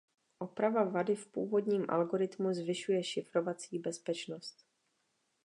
Oprava vady v původním algoritmu zvyšuje šifrovací bezpečnost.